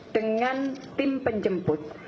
dengan tim penjemput